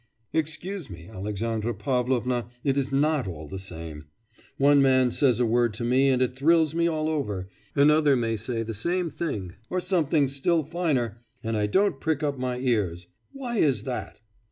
'Excuse me, Alexandra Pavlovna, it is not all the same. One man says a word to me and it thrills me all over, another may say the same thing, or something still finer and I don't prick up my ears. Why is that?